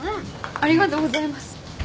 ありがとうございます。